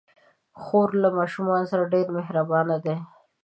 خور له ماشومانو سره ډېر مهربانه ده.